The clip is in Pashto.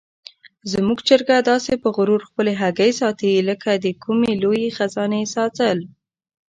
زموږ چرګه داسې په غرور خپلې هګۍ ساتي لکه د کومې لویې خزانې ساتل.